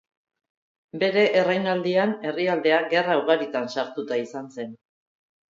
Bere erreinaldian herrialdea gerra ugaritan sartuta izan zen.